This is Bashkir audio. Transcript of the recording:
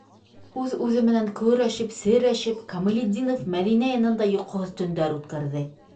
Үҙ-үҙе менән көрәшеп-серәшеп, Камалетдинов Мәҙинә янында йоҡоһоҙ төндәр үткәрҙе...